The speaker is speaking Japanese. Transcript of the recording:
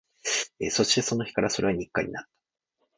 そして、その日からそれは日課になった